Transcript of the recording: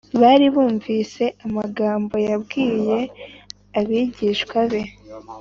bari barumvise amagambo yabwiye abigishwa be